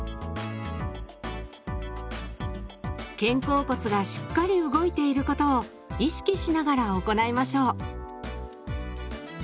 肩甲骨がしっかり動いていることを意識しながら行いましょう。